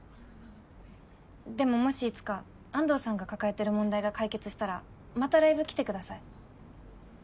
でももしいつか安藤さんが抱えてる問題が解決したらまたライブ来てください。